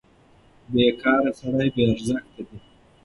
بېکاره سړی بې ارزښته دی.